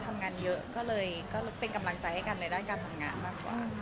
ทำงานเยอะก็เลยเป็นกำลังใจให้กันในด้านการทำงานมากกว่า